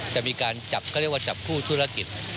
จะมีการจับเขาเรียกว่าจับคู่ธุรกิจ